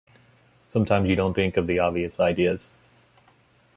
Sometimes you don' think of the obvious ideas.